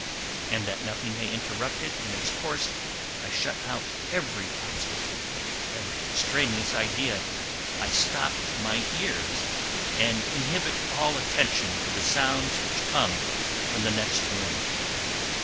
And that nothing may interrupt it in its course I shut out every obstacle, every extraneous idea, I stop my ears and inhibit all attention to the sounds which come from the next room.